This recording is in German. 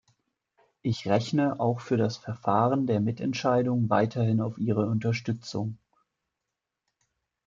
Ich rechne auch für das Verfahren der Mitentscheidung weiterhin auf Ihre Unterstützung.